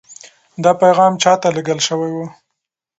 دا پیغام چا ته لېږل شوی و؟